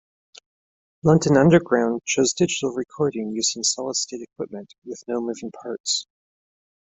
London Underground chose digital recording using solid state equipment with no moving parts.